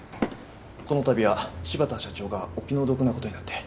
この度は柴田社長がお気の毒な事になって。